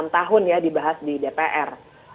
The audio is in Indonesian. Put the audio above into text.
delapan tahun ya dibahas di dpr